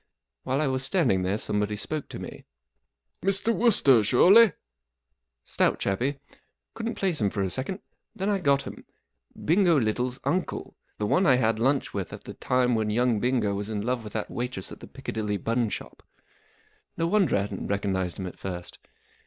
While l was standing there some¬ body spoke to me. M Mr. Wooster, surely ?" Stout chappie* Couldn't place him for a second. Then I got him* Bingo Little's uncle, the one I had lunch with at the time w f hen young Bingo was in love with that waitress at the Piccadilly bun shop. No wonder I hadn't recognized him at first.